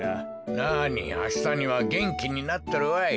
なにあしたにはげんきになっとるわい。